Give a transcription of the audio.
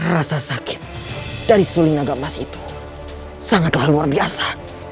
rasa sakit dari suling naga emas itu sangatlah luar biasa